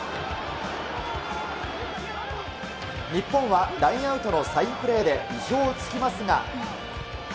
日本はラインアウトのサインプレーで意表をつきますが。